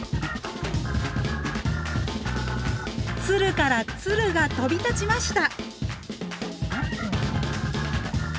鶴から鶴が飛び立ちました！